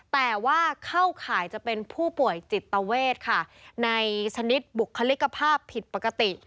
แต่ว่าเข้าข่ายจะเป็นผู้ป่วยจิตเวทค่ะในชนิดบุคลิกภาพผิดปกติ